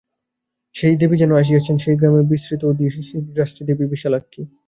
সেই দেবী যেন আসিয়াছেন, সেই গ্রামের বিস্মৃত অধিষ্ঠাত্রী দেবী বিশালাক্ষী।